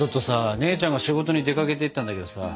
姉ちゃんが仕事に出かけていったんだけどさ